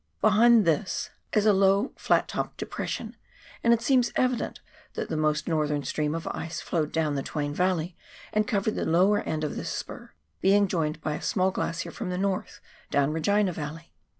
Behind this is a low flat topped de 260 PIONEER WORK IN THE ALPS OF NEW ZEALAND. pression, and it seems evident that tiie most northern stream of ice flowed down the Twain valley and covered the lower end of this spur, being joined by a small glacier from the north down Regina Yalley.